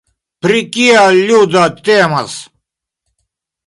Pri kia ludo temas?